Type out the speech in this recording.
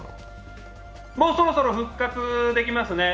もうそろそろ復活できますね。